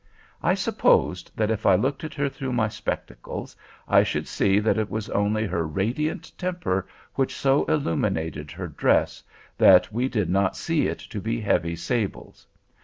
I supposed that if I looked at her through my spectacles, I should see that it was only her radiant temper which so illuminated her dress, that we did not see it to be heavy sables.